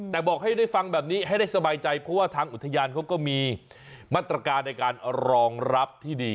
แต่บอกให้ได้ฟังแบบนี้ให้ได้สบายใจเพราะว่าทางอุทยานเขาก็มีมาตรการในการรองรับที่ดี